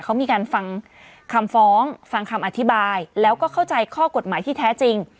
เขามีการฟังคำฟ้องฟังคำอธิบายแล้วก็เข้าใจข้อกฎหมายที่แท้จริง